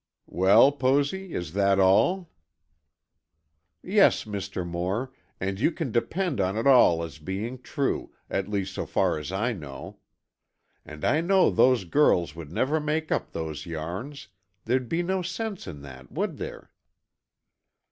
'" "Well, Posy, is that all?" "Yes, Mr. Moore, and you can depend on it all as being true, at least so far as I know. And I know those girls would never make up those yarns, there'd be no sense in that, would there?"